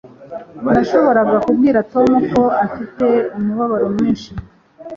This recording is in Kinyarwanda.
Nashoboraga kubwira Tom ko afite umubabaro mwinshi.